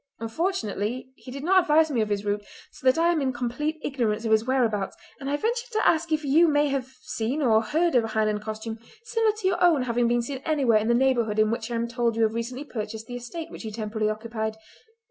Unfortunately he did not advise me of his route so that I am in complete ignorance of his whereabouts; and I venture to ask if you may have seen or heard of a Highland costume similar to your own having been seen anywhere in the neighbourhood in which I am told you have recently purchased the estate which you temporarily occupied.